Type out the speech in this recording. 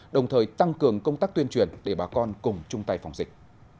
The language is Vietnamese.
đồng thời tăng cường công tác tuyên truyền để bà con cùng chung tay phòng dịch